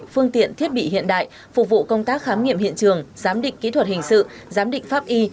phương tiện thiết bị hiện đại phục vụ công tác khám nghiệm hiện trường giám định kỹ thuật hình sự giám định pháp y